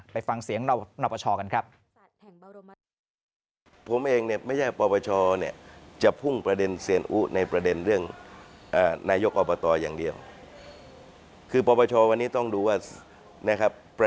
ไปฟังเสียงนปชกันครับ